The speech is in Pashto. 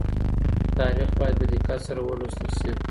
تاريخ بايد په دقت سره ولوستل سي.